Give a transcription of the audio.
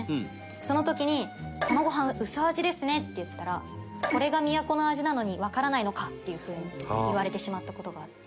その時に「このごはん薄味ですね」って言ったら「これが都の味なのにわからないのか」っていう風に言われてしまった事があって。